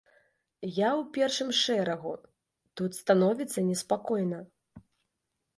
Я ў першым шэрагу, тут становіцца неспакойна.